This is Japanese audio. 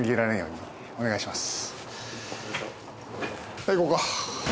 はい行こうか。